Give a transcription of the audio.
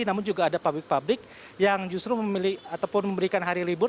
namun juga ada pabrik pabrik yang justru memilih ataupun memberikan hari libur